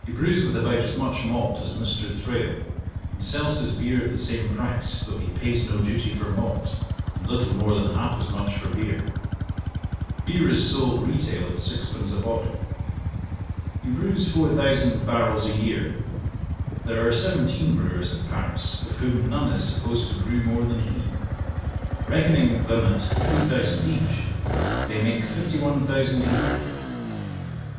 He brews with about as much malt as Mr. Thrale, and sells his beer at the same price, though he pays no duty for malt, and little more than half as much for beer. Beer is sold retail at 6d. a bottle. He brews 4,000 barrels a year. There are seventeen brewers in Paris, of whom none is supposed to brew more than he: reckoning them at 3,000 each, they make 51,000 a year.